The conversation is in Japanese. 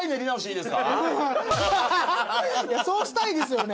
いやそうしたいですよね